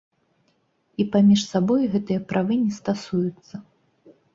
І паміж сабой гэтыя правы не стасуюцца.